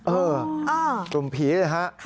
เออกลุ่มผีนะฮะ